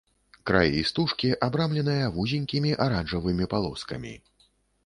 Краі стужкі абрамленыя вузенькімі аранжавымі палоскамі.